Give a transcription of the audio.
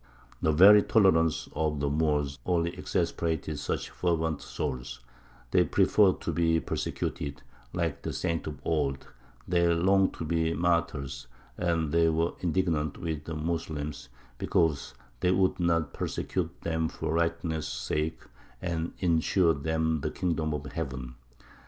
The very tolerance of the Moors only exasperated such fervent souls; they preferred to be persecuted, like the saints of old; they longed to be martyrs, and they were indignant with the Moslems, because they would not "persecute them for righteousness' sake" and ensure them the kingdom of heaven.